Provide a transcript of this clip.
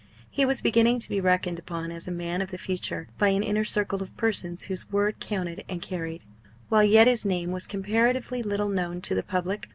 He was beginning to be reckoned upon as a man of the future by an inner circle of persons whose word counted and carried; while yet his name was comparatively little known to the public.